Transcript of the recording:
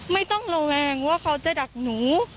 ไม่ต้องระแวงว่าเขาจะดักหนู